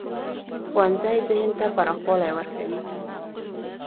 ښوونځی ذهن ته پراخوالی ورکوي